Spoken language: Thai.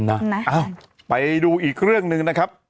ไปดูอีกเรื่องหนึ่งนะครับ